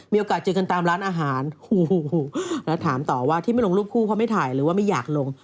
มีโอกาสเจอกันตามร้านอาหารแล้วถามต่อว่าที่ไม่ลงรูปคู่เพราะไม่ถ่ายหรือว่าไม่อยากลง